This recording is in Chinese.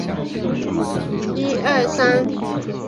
圣梅尔人口变化图示